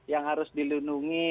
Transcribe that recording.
yang harus dilindungi